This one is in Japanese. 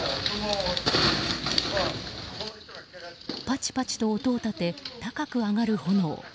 パチパチと音を立て高く上がる炎。